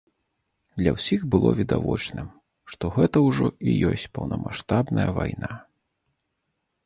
Для ўсіх было відавочным, што гэта ўжо і ёсць паўнамаштабная вайна.